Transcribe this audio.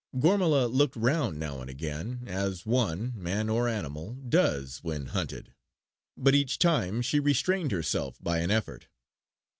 Gormala looked round now and again, as one, man or animal, does when hunted; but each time she restrained herself by an effort.